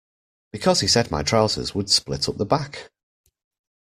Because he said my trousers would split up the back.